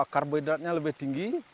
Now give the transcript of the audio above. karbohidratnya lebih tinggi